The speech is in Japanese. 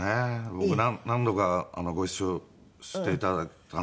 僕何度かご一緒して頂いたんですけども。